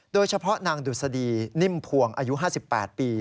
โดยเฉพาะนางดุษฎีนิ่มพวงอายุ๕๘ปี